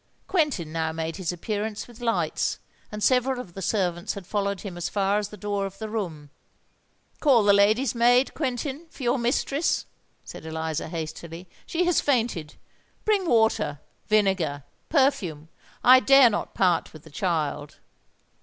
Quentin now made his appearance with lights: and several of the servants had followed him as far as the door of the room. "Call the lady's maid, Quentin, for your mistress," said Eliza, hastily: "she has fainted! Bring water—vinegar—perfume;—I dare not part with the child!"